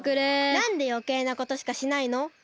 なんでよけいなことしかしないの？